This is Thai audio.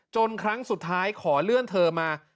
ครั้งสุดท้ายขอเลื่อนเธอมา